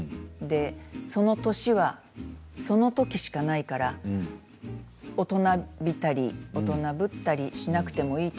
その年はそのときしかないから大人びたり、大人ぶったりしなくてもいいと。